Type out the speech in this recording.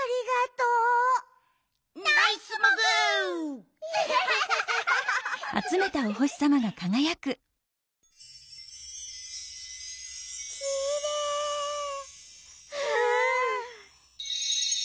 うん！